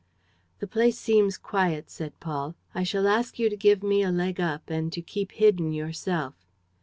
"The place seems quiet," said Paul. "I shall ask you to give me a leg up and to keep hidden yourself."